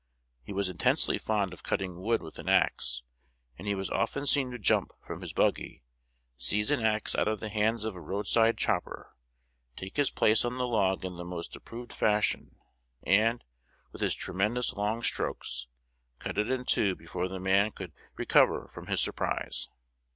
He was intensely fond of cutting wood with an axe; and he was often seen to jump from his buggy, seize an axe out of the hands of a roadside chopper, take his place on the log in the most approved fashion, and, with his tremendous long strokes, cut it in two before the man could recover from his surprise.